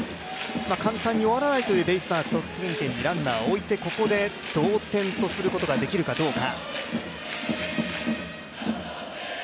簡単に終わらないというベイスターズ得点圏にランナーを置いてここで同点とすることができるかどうか。